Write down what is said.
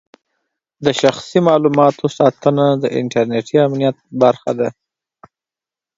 د شخصي معلوماتو ساتنه د انټرنېټي امنیت برخه ده.